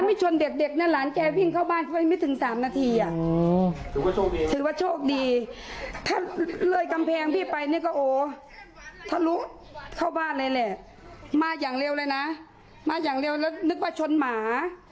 ไปนั่งมาดูเปิดประตูดูพอดีเกลียดเมา